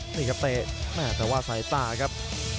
นี่ครับเตะแม่แต่ว่าสายตาครับ